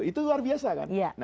itu luar biasa kan